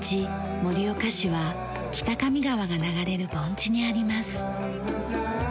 盛岡市は北上川が流れる盆地にあります。